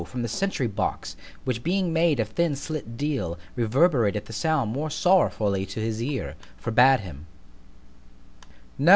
from the sentry box, which being made of thin slit deal, reverberated the sound more sorrowfully to his ear, forbad him.